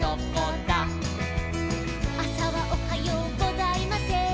「あさはおはようございません」